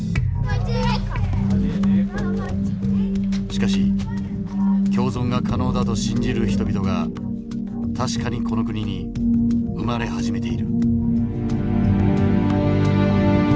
しかし共存が可能だと信じる人々が確かにこの国に生まれ始めている。